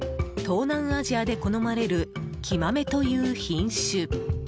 東南アジアで好まれるキマメという品種。